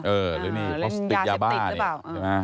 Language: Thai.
เหมือนเล่นยาเช็ดติกหรือเปล่า